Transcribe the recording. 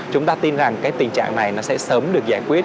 chúng ta tin rằng cái tình trạng này nó sẽ sớm được giải quyết